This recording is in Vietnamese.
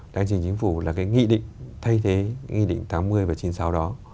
đang trình chính phủ là cái nghị định thay thế nghị định tám mươi và chín mươi sáu đó